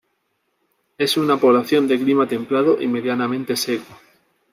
Es una población de clima templado y medianamente seco.